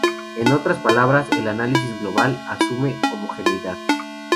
En otras palabras, el análisis global asume homogeneidad.